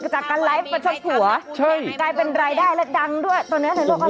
จากการไลฟ์ประชดผัวได้เป็นรายได้และดังด้วยตัวเนื้อในโลกอัมเมริกา